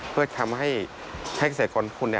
เพื่อทำให้แพทย์ศักดิ์คนคุณ